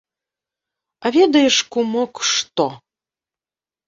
А ведаеш, кумок, што?